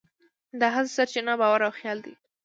د هڅې سرچینه باور او خیال دی.